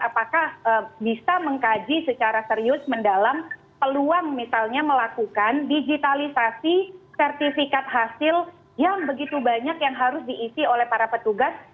apakah bisa mengkaji secara serius mendalam peluang misalnya melakukan digitalisasi sertifikat hasil yang begitu banyak yang harus diisi oleh para petugas